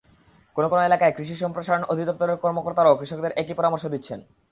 কোনো কোনো এলাকায় কৃষি সম্প্রসারণ অধিদপ্তরের কর্মকর্তারাও কৃষকদের একই পরামর্শ দিচ্ছেন।